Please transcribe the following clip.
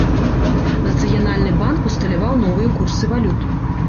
Нацыянальны банк усталяваў новыя курсы валют.